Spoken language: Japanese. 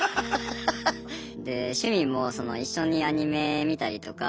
で趣味も一緒にアニメ見たりとか。